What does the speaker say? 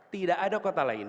tidak ada kota lain